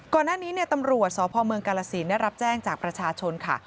ก่อนหน้านี้ตำรวจสพเมืองกาลสินได้รับแจ้งจากประชาชนค่ะ